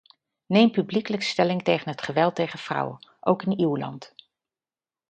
Neem publiekelijk stelling tegen het geweld tegen vrouwen, ook in uw land.